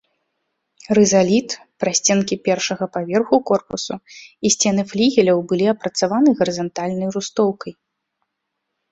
Рызаліт, прасценкі першага паверху корпусу і сцены флігеляў былі апрацаваны гарызантальнай рустоўкай.